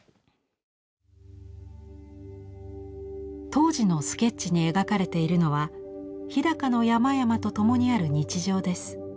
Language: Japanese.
当時のスケッチに描かれているのは日高の山々と共にある日常です。